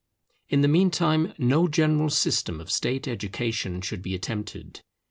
In the meantime no general system of State education should be attempted.